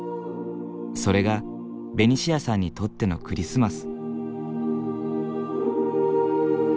それがベニシアさんにとってのクリスマス。